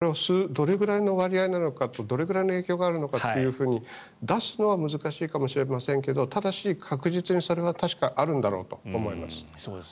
ただこれがどのくらいの割合なのかどれぐらいの影響があるのかというのを出すのは難しいかもしれませんが確実にそれはあるんだろうと思います。